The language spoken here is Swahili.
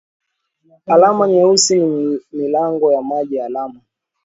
Alama nyeusi ni milango ya maji alama